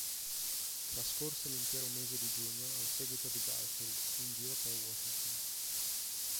Trascorse l'intero mese di giugno al seguito di Garfield in giro per Washington.